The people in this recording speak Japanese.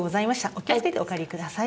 お気を付けてお帰りください。